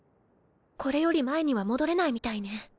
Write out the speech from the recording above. これより前には戻れないみたいね